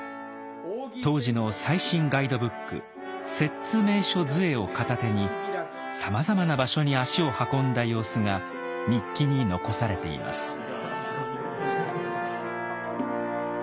当時の最新ガイドブック「摂津名所図会」を片手にさまざまな場所に足を運んだ様子が日記に残されています。